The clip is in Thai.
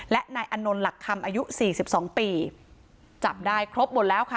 และนายอนนท์หลักคำอายุสี่สิบสองปีจับได้ครบหมดแล้วค่ะ